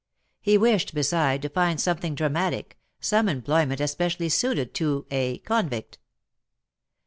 He wished, beside, to find something dramatic, some employment especially suited to ^^a convict."